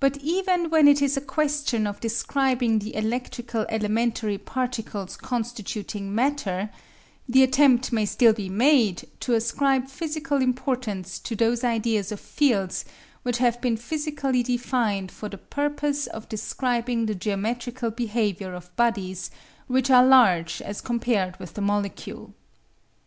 For even when it is a question of describing the electrical elementary particles constituting matter, the attempt may still be made to ascribe physical importance to those ideas of fields which have been physically defined for the purpose of describing the geometrical behaviour of bodies which are large as compared with the molecule.